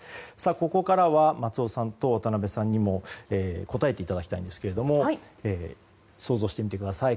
ここからは松尾さんと渡辺さんにも答えていただきたいんですけども想像してみてください。